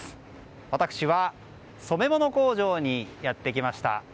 私は染め物工場にやってきました。